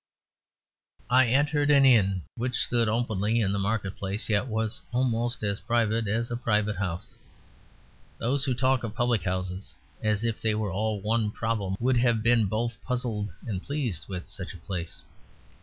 I entered an inn which stood openly in the market place yet was almost as private as a private house. Those who talk of "public houses" as if they were all one problem would have been both puzzled and pleased with such a place.